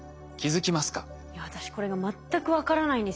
いや私これが全く分からないんですよ。